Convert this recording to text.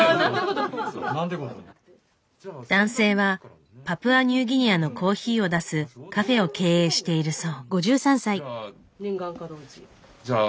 男性はパプアニューギニアのコーヒーを出すカフェを経営しているそう。